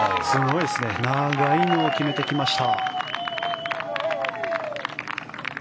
長いのを決めてきました。